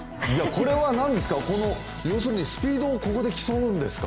これは要するにスピードをここで競うんですか？